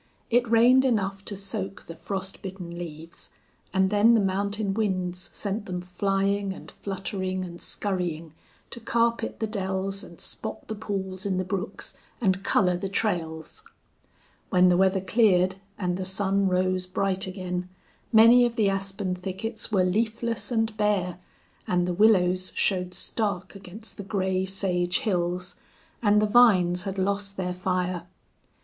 It rained enough to soak the frost bitten leaves, and then the mountain winds sent them flying and fluttering and scurrying to carpet the dells and spot the pools in the brooks and color the trails. When the weather cleared and the sun rose bright again many of the aspen thickets were leafless and bare, and the willows showed stark against the gray sage hills, and the vines had lost their fire.